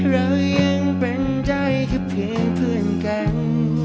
เรายังเป็นใจแค่เพียงเพื่อนกัน